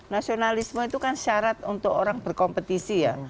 nasionalisme itu kan syarat untuk orang berkompetisi ya